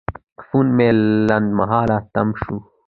فون مې لنډمهاله تم شو.